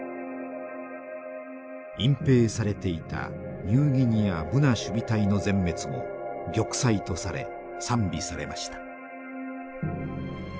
隠ぺいされていたニューギニアブナ守備隊の全滅も玉砕とされ賛美されました。